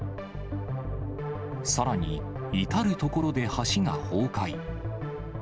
さらに、至る所で橋が崩壊。